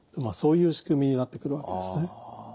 そういう仕組みになってくるわけですね。